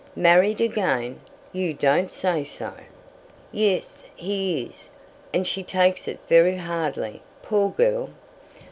"Married again! You don't say so." "Yes, he is; and she takes it very hardly, poor girl.